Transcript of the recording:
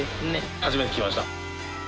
初めて聞きました。